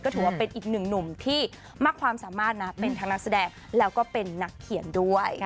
ถือว่าเป็นอีกหนึ่งหนุ่มที่มากความสามารถนะเป็นทั้งนักแสดงแล้วก็เป็นนักเขียนด้วย